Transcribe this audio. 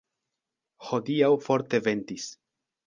Hodiaŭ forte ventis.